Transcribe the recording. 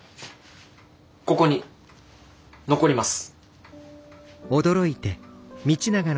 ここに残ります。